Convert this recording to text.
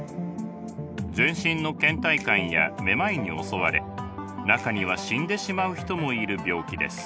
全身のけん怠感やめまいに襲われ中には死んでしまう人もいる病気です。